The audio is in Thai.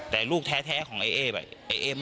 แต่ลูกแท้ของเอ๊ม